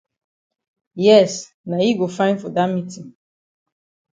Yes na yi go fine for dat meetin.